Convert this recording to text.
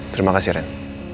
terima kasih ren